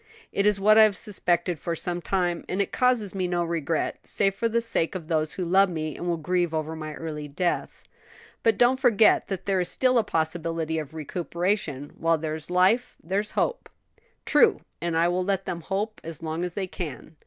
It is what I have suspected for some time; and it causes me no regret, save for the sake of those who love me and will grieve over my early death." "But don't forget that there is still a possibility of recuperation; while there's life there's hope." "True! and I will let them hope on as long as they can."